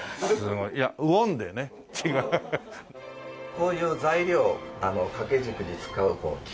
こういう材料あの掛け軸に使うこの。